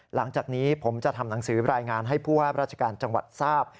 หลังจากนี้ผมจะทำหนังสือรายงานให้ผู้ว่าราชการจังหวัดทราบ